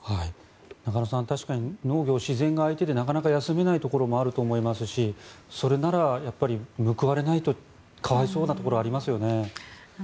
中野さん、確かに農業自然が相手でなかなか休めないところもあると思いますしそれなら報われないと可哀想なところはありますよね。